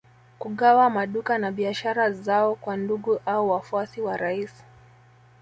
Kugawa maduka na biashara zao kwa ndugu au wafuasi wa rais